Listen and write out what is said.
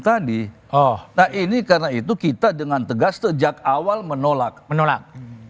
nah ini karena itu kita dengan tegas sejak awal menolak